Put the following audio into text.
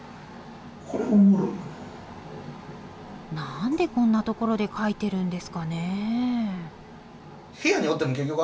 何でこんなところで書いてるんですかね？